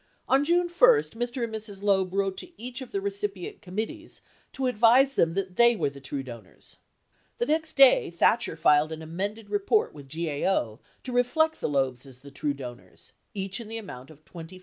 On June 1, Mr. and Mrs. Loeb wrote to each of the recipient committees to advise them that they were the true donors. The next day, Thatcher filed an amended report with GAO to reflect the Loebs as the true donors, each in the amount of $24,000.